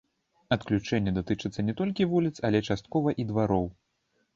Адключэнні датычацца не толькі вуліц, але часткова і двароў.